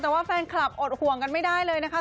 แต่ว่าแฟนคลับอดห่วงกันไม่ได้เลยนะคะ